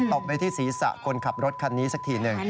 ตบไปที่ศีรษะคนขับรถคันนี้สักครั้งนี้